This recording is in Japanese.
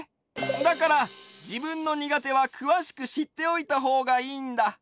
だからじぶんのにがてはくわしくしっておいたほうがいいんだ。